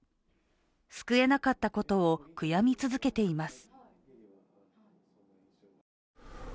救えなかったことを悔やみ続けています。